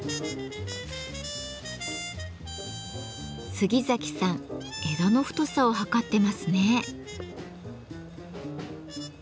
杉崎さん枝の太さを測ってますね。